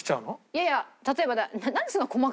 いやいや例えば。